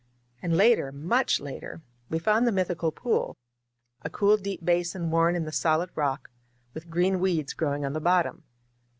And later, much later, we found the mythical pool — a cool, deep basin worn in the solid rock, with green weeds growing on the bottom.